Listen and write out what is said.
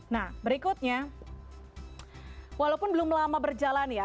nah berikutnya walaupun belum lama berjalan ya